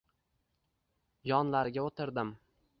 Yonlariga o‘tirdim.